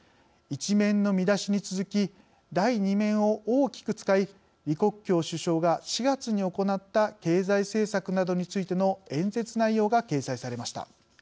１面の見出しに続き第２面を大きく使い李克強首相が４月に行った経済政策などについての演説内容が掲載されました。